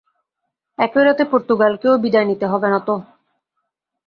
একই রাতে পর্তুগালকেও বিদায় নিতে হবে না তো।